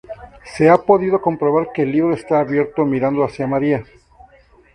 Se ha podido comprobar que el libro está abierto mirando hacia María.